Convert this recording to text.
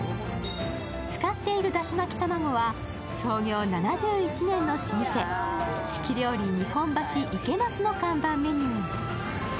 使っているだし巻き卵は創業７１年の老舗、日本料理日本橋いけ増の看板メニュー。